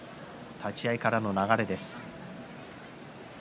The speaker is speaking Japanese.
立ち合いからの流れ。